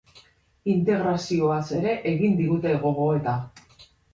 Integrazioaz ere egin digute gogoeta.